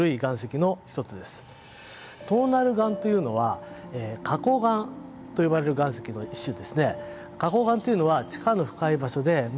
トーナル岩というのは花こう岩と呼ばれる岩石の一種ですね。